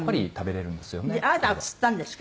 あなたが釣ったんですか？